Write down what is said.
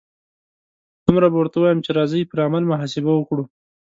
دومره به ورته ووایم چې راځئ پر عمل محاسبه وکړو.